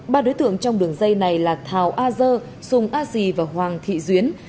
ba đối tượng trong đường dây này là thảo a dơ sùng a di và hoàng thị duyến